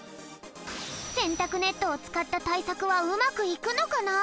せんたくネットをつかったたいさくはうまくいくのかな？